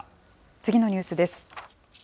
次のニュースです。